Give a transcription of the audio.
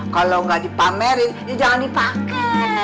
kalo gak dipamerin ya jangan dipake